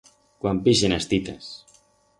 Cuan pixen as titas!